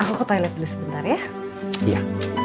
aku ke toilet dulu sebentar ya